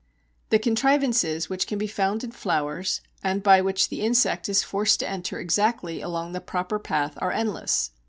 _ The contrivances which can be found in flowers, and by which the insect is forced to enter exactly along the proper path, are endless.